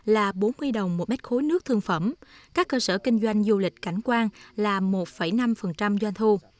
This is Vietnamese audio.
là bốn mươi đồng một mét khối nước thương phẩm các cơ sở kinh doanh du lịch cảnh quan là một năm doanh thu